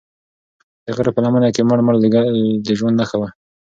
د غره په لمنه کې مړ مړ لوګی د ژوند نښه وه.